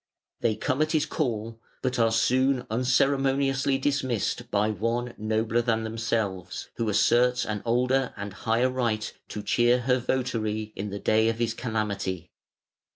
They come at his call, but are soon unceremoniously dismissed by one nobler than themselves, who asserts an older and higher right to cheer her votary in the day of his calamity.